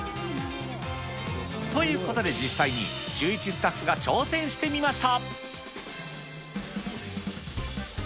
ということで、実際にシューイチスタッフが挑戦してみました。